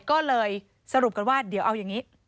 ก็เลยสรุปกันว่าเดี๋ยวเอาอย่างนี้